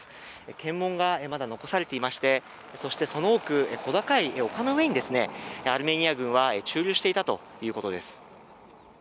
検問がまだ残されていましてそしてその奥、小高い丘の上にアルメニア軍は駐留していたということです。